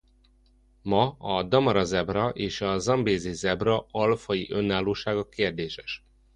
Ma a Damara-zebra és a Zambézi zebra alfaji önállósága kérdéses.